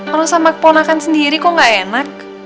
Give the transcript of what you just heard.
kalau sama keponakan sendiri kok gak enak